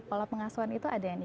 pola pengasuhan itu ada yang ini